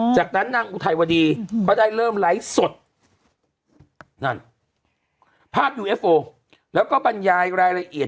จากนั้นนางอุทัยวดีก็ได้เริ่มไลฟ์สดนั่นภาพยูเอฟโอแล้วก็บรรยายรายละเอียด